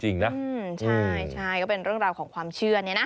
จริงนะใช่ก็เป็นเรื่องราวของความเชื่อเนี่ยนะ